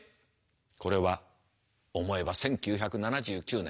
これは思えば１９７９年。